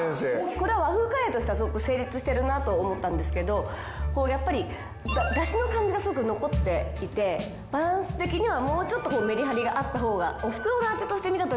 これは和風カレーとしてはすごく成立してるなと思ったんですけどやっぱりだしの感じがすごく残っていてバランス的にはもうちょっとメリハリがあった方が。